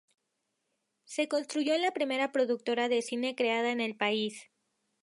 Se constituyó en la primera productora de cine creada en el país.